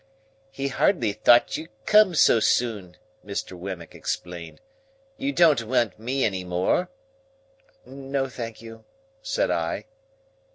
"He hardly thought you'd come so soon," Mr. Wemmick explained. "You don't want me any more?" "No, thank you," said I.